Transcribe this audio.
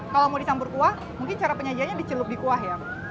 kalau mau disambur kuah mungkin cara penyajiannya dicelup di kuah ya